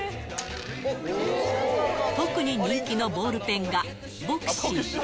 特に人気のボールペンが、ボクシー。